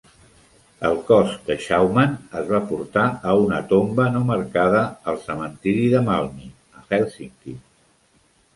El cos de Schauman es va portar a una tomba no marcada al cementiri de Malmi, a Hèlsinki.